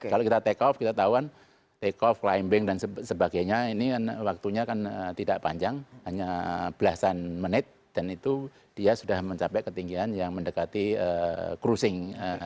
kalau kita take off kita tahuan take off climbing dan sebagainya ini kan waktunya kan tidak panjang hanya belasan menit dan itu dia sudah mencapai ketinggian yang mendekati crucing